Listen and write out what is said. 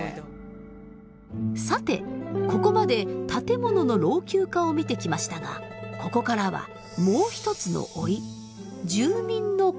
さてここまで建物の老朽化を見てきましたがここからはもう一つの老い住民の高齢化。